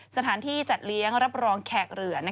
สถานที่จัดเลี้ยงรับรองแขกเหลือ